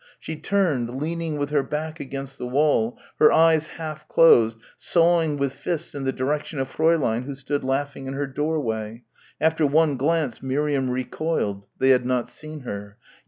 She turned, leaning with her back against the wall, her eyes half closed, sawing with fists in the direction of Fräulein, who stood laughing in her doorway. After one glance Miriam recoiled. They had not seen her.